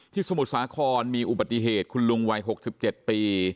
สมุทรสาครมีอุบัติเหตุคุณลุงวัย๖๗ปี